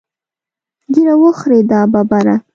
ږیره وخورې دا ببره.